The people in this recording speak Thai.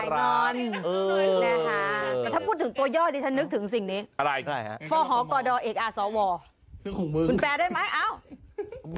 แล้วก็หายก่อน